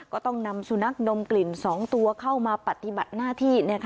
ก็ต้องนำสุนัขดมกลิ่น๒ตัวเข้ามาปฏิบัติหน้าที่